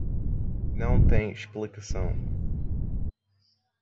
Não tem explicação.